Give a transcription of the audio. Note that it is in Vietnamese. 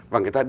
và người ta